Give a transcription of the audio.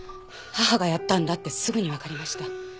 母がやったんだってすぐにわかりました。